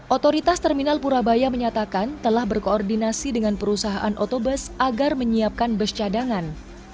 otoritas terminal purabaya menyatakan telah berkoordinasi dengan perusahaan otobus agar menyiapkan bus cadangan